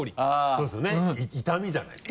そうですよね痛みじゃないですか？